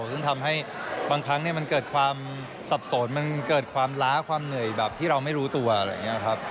ซึ่งทำให้บางครั้งมันเกิดความสับสนมันเกิดความล้าความเหนื่อยแบบที่เราไม่รู้ตัวอะไรอย่างนี้ครับ